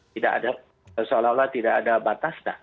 tidak ada seolah olah tidak ada batas